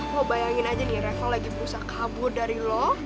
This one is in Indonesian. lo bayangin aja nih reva lagi berusaha kabur dari lo